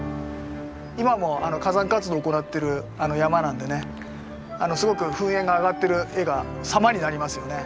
今も火山活動行ってる山なんでねすごく噴煙が上がってる画が様になりますよね。